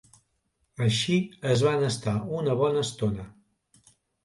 Així es van estar una bona estona.